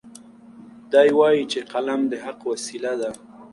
دی وایي چې قلم د حق وسیله ده.